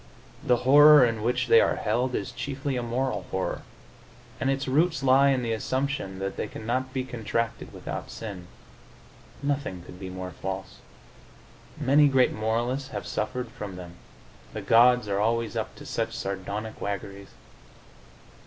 The horror in which they are held is chiefly a moral horror, and its roots lie in the assumption that they cannot be contracted without sin. Nothing could be more false. Many great moralists have suffered from them: the gods are always up to such sardonic waggeries.